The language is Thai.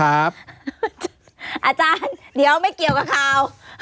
อาจารย์เดี๋ยวไม่เกี่ยวกับข่าว